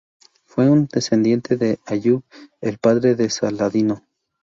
Fue un descendiente de Ayub, el padre de Saladino.